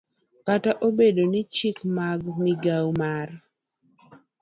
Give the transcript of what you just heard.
Kata obedo ni chike mag migao mar